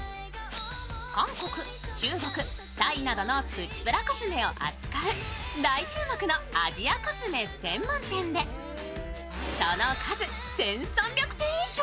韓国、中国、タイなどのプチプラコスメを扱う大注目のアジアコスメ専門店でその数１３００点以上。